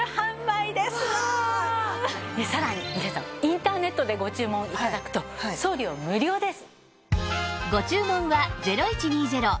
さらに皆さんインターネットでご注文頂くと送料無料です。